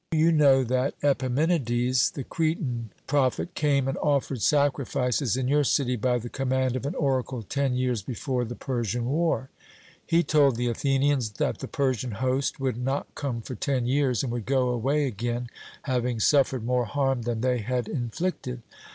You know that Epimenides, the Cretan prophet, came and offered sacrifices in your city by the command of an oracle ten years before the Persian war. He told the Athenians that the Persian host would not come for ten years, and would go away again, having suffered more harm than they had inflicted.